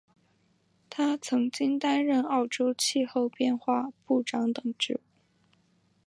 他曾经担任澳洲气候变化部长等职务。